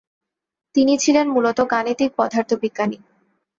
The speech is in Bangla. তিনি ছিলেন মূলত গাণিতিক পদার্থবিজ্ঞানী।